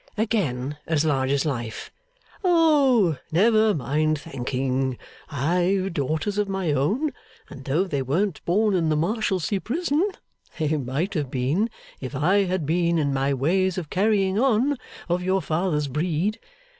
Again as large as life. Oh, never mind thanking. I've daughters of my own. And though they weren't born in the Marshalsea Prison, they might have been, if I had been, in my ways of carrying on, of your father's breed.